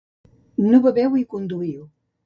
No beveu i conduïu.